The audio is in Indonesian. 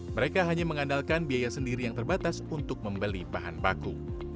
mereka hanya mengandalkan biaya sendiri yang terbatas untuk membeli bahan baku